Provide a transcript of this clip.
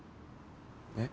えっ？